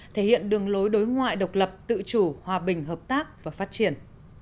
thể hiện đường lối đối ngoại độc lập tự chủ hòa bình hợp tác và phát triển